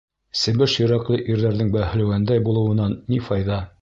Себеш йөрәкле ирҙәрҙең бәһлеүәндәй булыуынан ни файҙа!